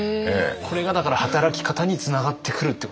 これがだから働き方につながってくるってことですね。